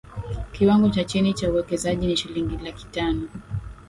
kiwango cha chini cha uwekezaji ni shilingi laki tano